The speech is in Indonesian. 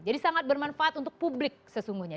jadi sangat bermanfaat untuk publik sesungguhnya